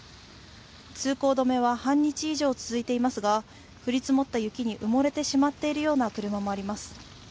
通行止めは半日以上続いていますが、降り積もった雪に埋もれてしまっているような車もあります。